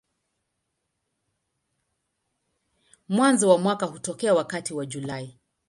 Mwanzo wa mwaka hutokea wakati wa Julai.